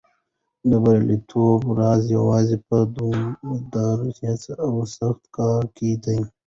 د بریالیتوب راز یوازې په دوامداره هڅه او سخت کار کې دی.